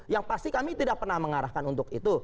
yang pasti kami tidak pernah mengarahkan untuk itu